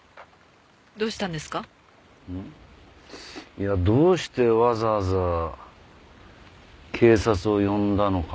いやどうしてわざわざ警察を呼んだのかなと思ってよ。